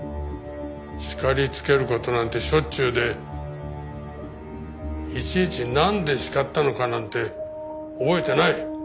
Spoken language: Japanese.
叱りつける事なんてしょっちゅうでいちいちなんで叱ったのかなんて覚えてない。